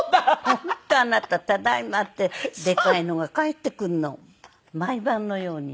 本当あなた「ただいま」ってでかいのが帰ってくるの毎晩のようにね。